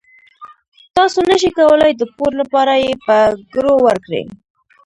تاسو نشئ کولای د پور لپاره یې په ګرو ورکړئ.